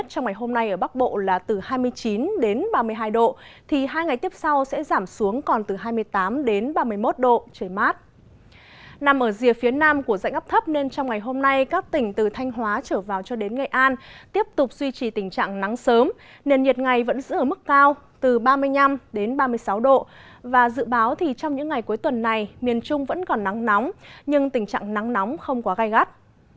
trong những ngày cuối tuần này miền trung vẫn còn nắng nóng nhưng tình trạng nắng nóng không quá gai gắt